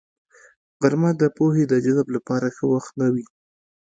غرمه د پوهې د جذب لپاره ښه وخت نه وي